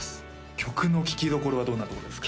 曲の聴きどころはどんなところですか？